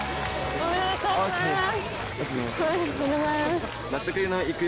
ありがとうございます。